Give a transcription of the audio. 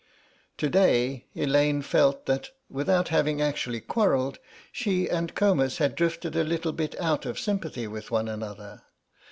To day Elaine felt that, without having actually quarrelled, she and Comus had drifted a little bit out of sympathy with one another.